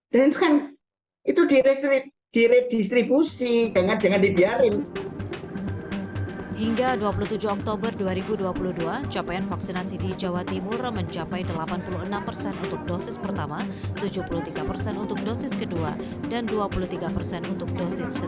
dan itu kan diredistribusi